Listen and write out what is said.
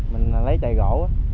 mình lấy chai gỗ